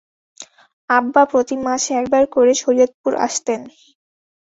আব্বা প্রতি মাসে একবার করে শরীয়তপুর আসতেন।